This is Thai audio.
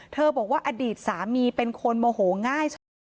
บอกว่าอดีตสามีเป็นคนโมโหง่ายชอบ